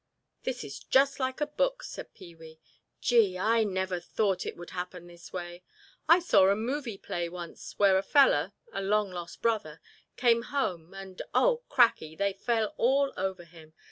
"This is just like a book," said Pee wee. "Gee, I never thought it would happen this way; I saw a movie play once where a feller—a long lost brother—came home, and oh, cracky, they fell all over him.